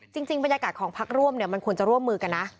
จริงบรรยากาศของพักร่วมมันควรจะร่วมมือกันนะ